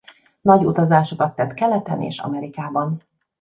Nagy utazásokat tett Keleten és Amerikában.